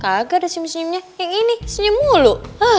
kagak ada senyum senyumnya yang ini senyum mulu